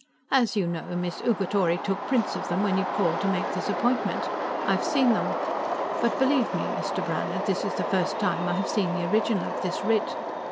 "As you know, Miss Ugatori took prints of them when you called to make this appointment. I've seen them. But believe me, Mr. Brannhard, this is the first time I have seen the original of this writ.